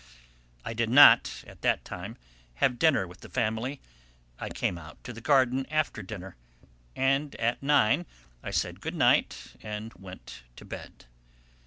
I did not, at that time, have dinner with the family: I came out to the garden after dinner, and at nine I said good night and went to bed.